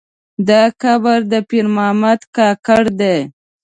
دا قبر د پیر محمد کاکړ دی.